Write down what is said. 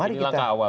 ini langkah awal